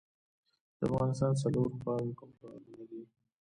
د افغانستان څلور خواوې کوم هیوادونه دي؟